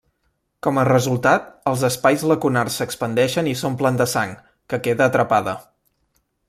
Com a resultat, els espais lacunars s’expandeixen i s’omplen de sang, que queda atrapada.